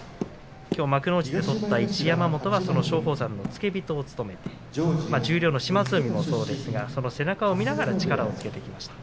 幕内で取った一山本はその松鳳山の付け人を務めて十両の島津海もそうですがその背中を見ながら力をつけてきました。